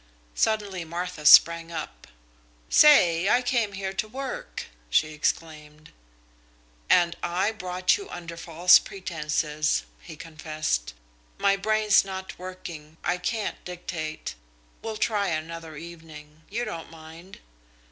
Suddenly Martha sprang up. "Say, I came here to work!" she exclaimed. "And I brought you under false pretences," he confessed. "My brain's not working. I can't dictate. We'll try another evening. You don't mind?"